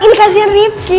ini kasian rifki